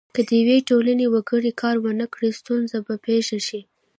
که د یوې ټولنې وګړي کار ونه کړي ستونزه به پیښه شي.